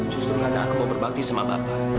justru kadang aku mau berbakti sama bapak